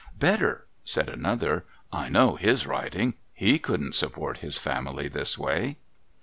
' Better,' said another. ' I know /lis writing. He couldn't sup port his family this way.'